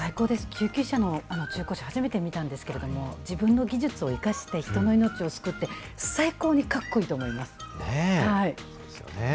救急車の中古車、初めて見たんですけれども、自分の技術を生かして、人の命を救うって、そうですよね。